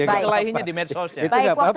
yang kelainya di medsosnya itu enggak apa apa